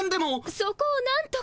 そこをなんとか。